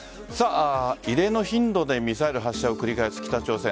異例の頻度でミサイル発射を繰り返す北朝鮮。